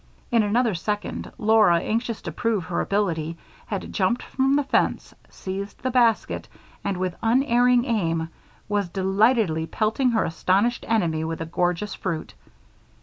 In another second, Laura, anxious to prove her ability, had jumped from the fence, seized the basket and, with unerring aim, was delightedly pelting her astonished enemy with the gorgeous fruit.